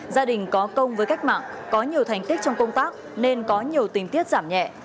gia đình có công với cách mạng có nhiều thành tích trong công tác nên có nhiều tình tiết giảm nhẹ